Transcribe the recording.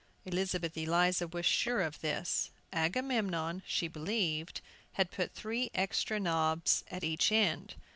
Elizabeth Eliza was sure of this. Agamemnon, she believed, had put three extra knobs at each end.